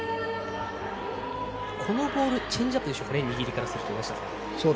このボールチェンジアップでしょうか握りからすると。